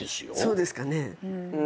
そうですかね。